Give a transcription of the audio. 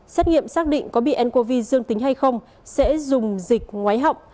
xét nghiệm xác định có bị ncov dương tính hay không sẽ dùng dịch ngoái họng